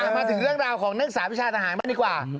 มาถึงเรื่องราวของนักศึกษาพิชาต่างหากมาดีกว่า